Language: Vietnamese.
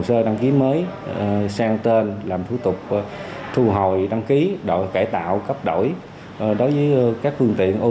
hồ sơ đăng ký mới sang tên làm thủ tục thu hồi đăng ký đổi cải tạo cấp đổi đối với các phương tiện ô